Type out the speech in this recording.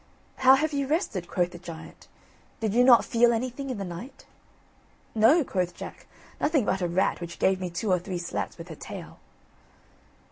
"How have you rested?" quoth the giant; "did you not feel anything in the night?" "No," quoth Jack, "nothing but a rat, which gave me two or three slaps with her tail."